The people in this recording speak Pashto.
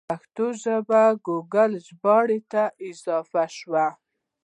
پښتو ژبه ګوګل ژباړن ته اضافه شوه.